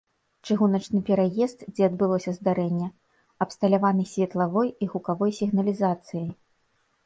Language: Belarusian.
Чыгуначны пераезд, дзе адбылося здарэнне, абсталяваны светлавой і гукавой сігналізацыяй.